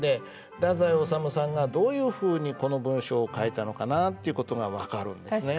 太宰治さんがどういうふうにこの文章を書いたのかなっていう事が分かるんですね。